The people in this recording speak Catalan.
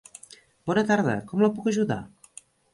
Bona tarda, com la puc ajudar?